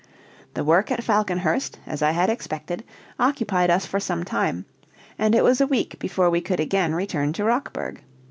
The work at Falconhurst, as I had expected, occupied us for some time, and it was a week before we could again return to Rockburg.